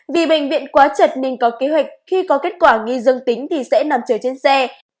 vì bệnh viện quá chật nên có kế hoạch khi có kết quả nghi dương tính thì sẽ nằm chờ trên xe